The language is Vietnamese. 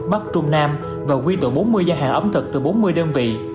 bắc trung nam và quy tụ bốn mươi gia hàng ấm thực từ bốn mươi đơn vị